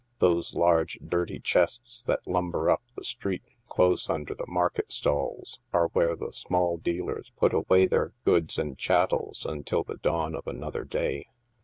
Those large, dirty chests that lum ber up the street close under the market stalls, are where the small dealers put away their goods and chattels until the dawn of another day.